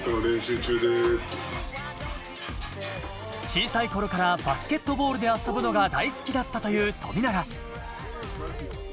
小さい頃からバスケットボールで遊ぶのが大好きだったという富永。